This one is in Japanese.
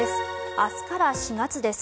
明日から４月です。